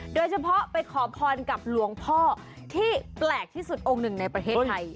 โดยเฉพาะไปขอพรกับหลวงพ่อที่แปลกที่สุดองค์หนึ่งในประเทศไทย